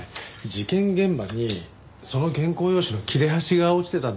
事件現場にその原稿用紙の切れ端が落ちてたんですよ。